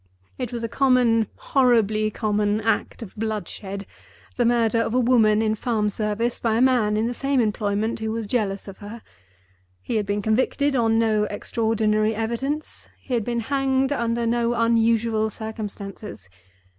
It was a common, horribly common, act of bloodshed—the murder of a woman in farm service by a man in the same employment who was jealous of her. He had been convicted on no extraordinary evidence, he had been hanged under no unusual circumstances.